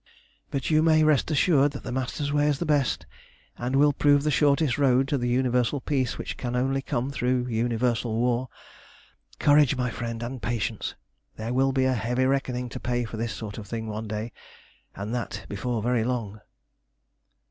"But you may rest assured that the Master's way is the best, and will prove the shortest road to the universal peace which can only come through universal war. Courage, my friend, and patience! There will be a heavy reckoning to pay for this sort of thing one day, and that before very long."